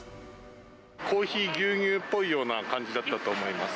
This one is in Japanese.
コーヒー牛乳っぽいような感じだったと思います。